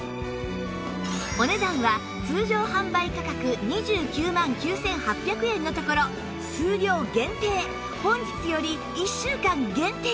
お値段は通常販売価格２９万９８００円のところ数量限定本日より１週間限定